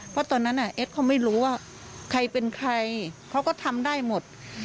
เพราะตอนนั้นเอ็ดเขาไม่รู้ว่าใครเป็นใครเขาก็ทำได้หมด